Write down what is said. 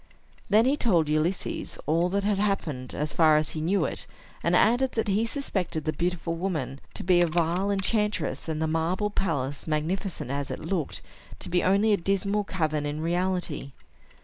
Then he told Ulysses all that had happened, as far as he knew it, and added that he suspected the beautiful woman to be a vile enchantress, and the marble palace, magnificent as it looked, to be only a dismal cavern in reality.